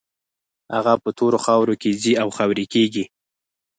هغه په تورو خاورو کې ځي او خاورې کېږي.